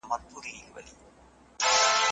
پر ټولنه د حکومت کولو لاري چاري تل بدلېږي.